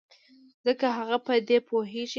ځکه هغه په دې پوهېږي.